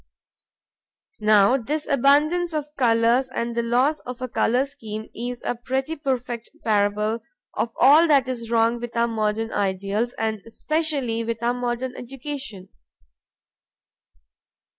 Now this abundance of colors and loss of a color scheme is a pretty perfect parable of all that is wrong with our modern ideals and especially with our modern education.